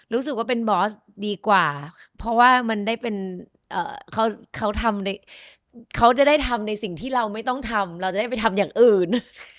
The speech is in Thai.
รู้สึกว่าเป็นบอสดีกว่าเพราะว่ามันได้เป็นเขาทำเขาจะได้ทำในสิ่งที่เราไม่ต้องทำเราจะได้ไปทำอย่างอื่น